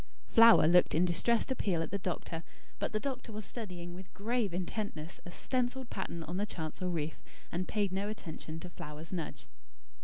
Flower looked in distressed appeal at the doctor. But the doctor was studying, with grave intentness, a stencilled pattern on the chancel roof; and paid no attention to Flower's nudge.